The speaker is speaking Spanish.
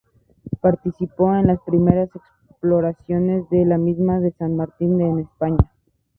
Participó en las primeras exploraciones de la sima de San Martín en España.